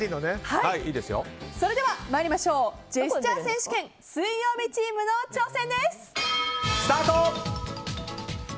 それでは参りましょうジェスチャー選手権水曜日チームの挑戦です。